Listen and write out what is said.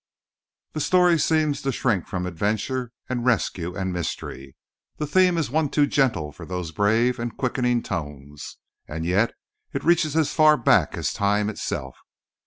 The story seems to shrink from adventure and rescue and mystery. The theme is one too gentle for those brave and quickening tones. And yet it reaches as far back as time itself.